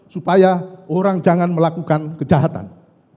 supaya orang jangan melakukan kejahatan